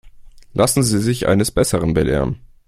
Lassen Sie sich eines Besseren belehren.